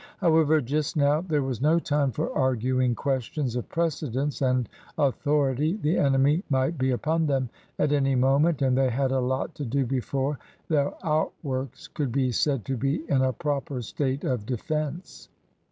However, just now there was no time for arguing questions of precedence and authority. The enemy might be upon them at any moment, and they had a lot to do before their outworks could be said to be in a proper state of defence.